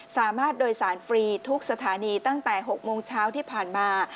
สามารถโดยสารฟรีทุกสถานีตั้งแต่๖โมงเช้าที่ผ่านมา